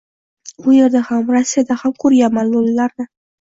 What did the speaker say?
U yerda ham, Rossiyada ham koʻrganman loʻlilarni.